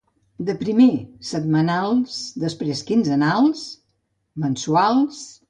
De primer, setmanals, després quinzenals, mensuals...